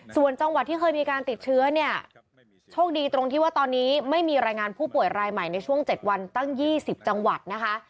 ส่วนจังหวัดที่เคยมีการติดเชื้อเนี่ยโชคดีตรงที่ว่าตอนนี้ไม่มีรายงานผู้ป่วยรายใหม่ในช่วง๗วันตั้ง๒๐จังหวัดนะคะ